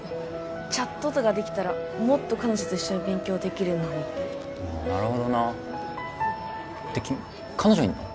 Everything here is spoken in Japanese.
チャットとかできたらもっと彼女と一緒に勉強できるのになるほどなって君彼女いんの？